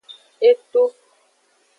E to.